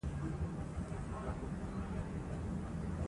ښايسته ، ښارو ، ښکلا ، ښاپيرۍ ، غونډۍ ، غورځکه ،